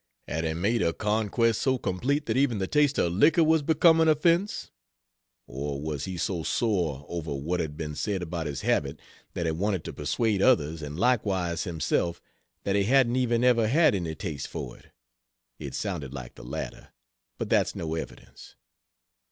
Had he made a conquest so complete that even the taste of liquor was become an offense? Or was he so sore over what had been said about his habit that he wanted to persuade others and likewise himself that he hadn't even ever had any taste for it? It sounded like the latter, but that's no evidence.